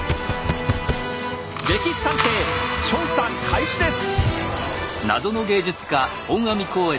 「歴史探偵」調査開始です。